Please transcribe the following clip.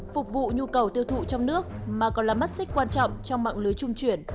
phục vụ nhu cầu tiêu thụ trong nước mà còn là mắt xích quan trọng trong mạng lưới trung chuyển